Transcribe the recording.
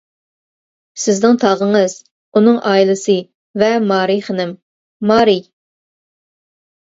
سىزنىڭ تاغىڭىز، ئۇنىڭ ئائىلىسى ۋە مارى خېنىم. مارى!